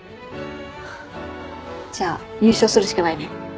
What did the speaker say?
じゃあ優勝するしかないね。